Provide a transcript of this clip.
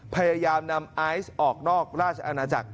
พยายามนำไอซ์ออกนอกราชอาณาจักร